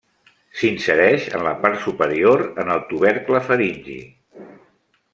S'insereix en la part superior en el tubercle faringi.